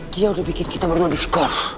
dia udah bikin kita bernudis discourse